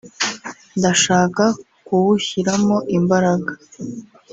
ndashaka kuwushyiramo imbaraga